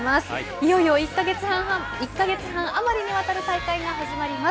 いよいよ１か月半余りにわたる大会が始まります。